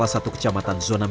bang c aku juga tolong